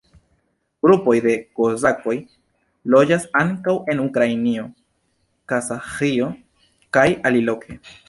Grupoj de kozakoj loĝas ankaŭ en Ukrainio, Kazaĥio kaj aliloke.